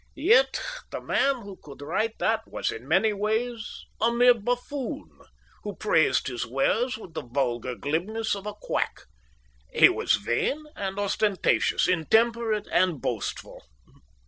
"Yet the man who could write that was in many ways a mere buffoon, who praised his wares with the vulgar glibness of a quack. He was vain and ostentatious, intemperate and boastful.